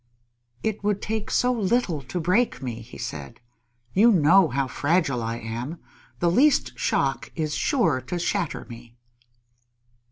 "It would take so little to break me," he said. "You know how fragile I am. The least shock is sure to shatter me!"